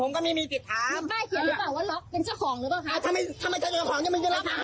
ผมก็ต้องมาถามถ้าพี่